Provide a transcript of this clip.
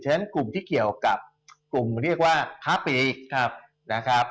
ฉะนั้นกลุ่มที่เกี่ยวกับกลุ่มเรียกว่า๕ปีนะครับ